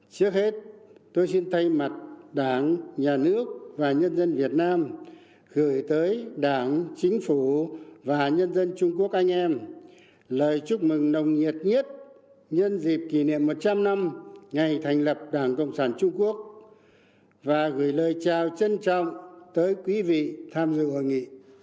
trước hết tôi xin thay mặt đảng nhà nước và nhân dân việt nam gửi tới đảng chính phủ và nhân dân trung quốc anh em lời chúc mừng nồng nhiệt nhiết nhân dịp kỷ niệm một trăm linh năm ngày thành lập đảng cộng sản trung quốc và gửi lời chào trân trọng tới quý vị tham dự hội nghị